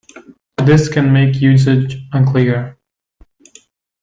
This can make usage unclear.